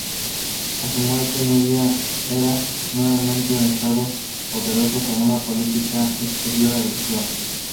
A su muerte, Nubia era nuevamente un estado poderoso con una política exterior agresiva.